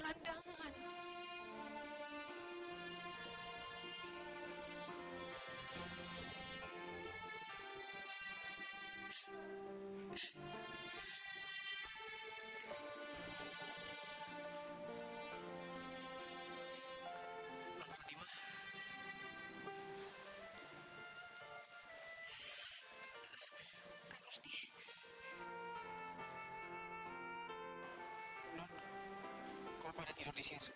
banyaknya omok penintin dari sini